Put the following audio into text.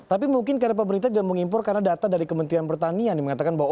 tapi mungkin karena pemerintah tidak mengimpor karena data dari kementerian pertanian yang mengatakan bahwa